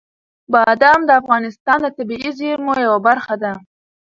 بادام د افغانستان د طبیعي زیرمو یوه برخه ده.